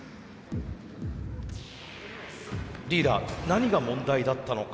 リーダー何が問題だったのか？